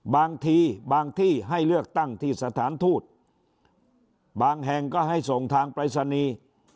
บางทีบางที่ให้เลือกตั้งที่สถานทูตบางแห่งก็ให้ส่งทางปรายศนีย์